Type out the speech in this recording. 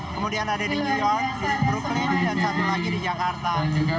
kemudian ada di new york brukling dan satu lagi di jakarta